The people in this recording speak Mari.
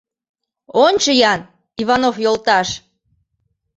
— Ончо-ян, Иванов йолташ!